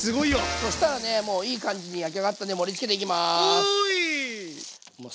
そしたらねもういい感じに焼き上がったんで盛りつけていきます。